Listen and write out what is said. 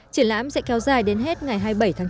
triển lãm sẽ kéo dài đến hết ngày hai mươi bảy tháng chín